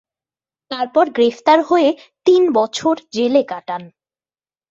তারপর গ্রেফতার হয়ে তিন বছর জেলে কাটান।